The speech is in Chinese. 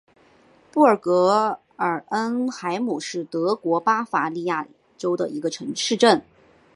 布尔格贝尔恩海姆是德国巴伐利亚州的一个市镇。